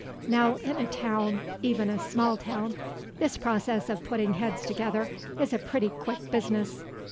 Now in a town, even in a small town, this process of putting heads together is a pretty quick business.